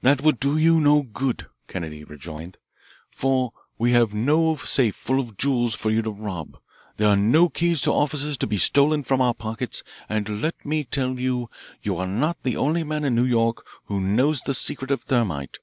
"That would do you no good," Kennedy rejoined, "for we have no safe full of jewels for you to rob. There are no keys to offices to be stolen from our pockets. And let me tell you you are not the only man in New York who knows the secret of thermite.